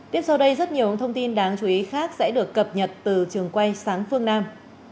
tiếp sau đây rất nhiều thông tin đáng chú ý khác sẽ được cập nhật từ trường quay sáng phương nam